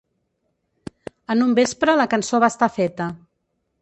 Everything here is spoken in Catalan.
En un vespre la cançó va estar feta.